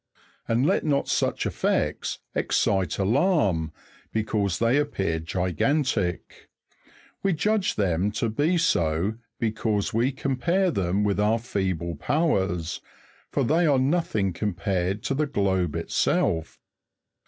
And let not such effects excite alarm because they appear gigantic; we judge them to be so because we compare them with our feeble powers, for they are nothing compared to the globe itself.